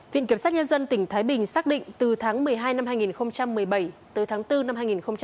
viện kiểm soát nhân dân tỉnh thái bình xác định từ tháng một mươi hai năm hai nghìn một mươi bảy tới tháng bốn năm hai nghìn hai mươi